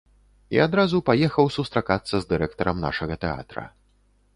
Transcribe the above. І адразу паехаў сустракацца з дырэктарам нашага тэатра.